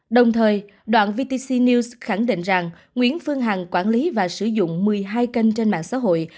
đồng thời đoạn vtc news khẳng định rằng nguyễn phương hằng quản lý và sử dụng một mươi hai kênh trên mạng xã hội